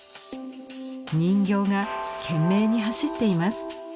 人形が懸命に走っています。